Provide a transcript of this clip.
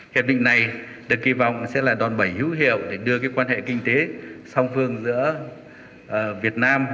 hiệp định này được kỳ vọng sẽ là đòn bẩy hữu hiệu để đưa quan hệ kinh tế song phương giữa việt nam